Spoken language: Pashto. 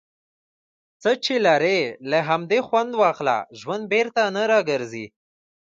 څۀ چې لرې، له همدې خؤند واخله. ژؤند بیرته نۀ را ګرځي.